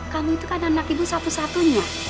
kami itu kan anak ibu satu satunya